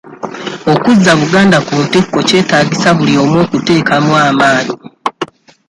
Okuzza Buganda ku ntikko kyetaagisa buli omu okuteekamu amaanyi.